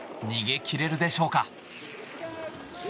逃げ切れるでしょうか。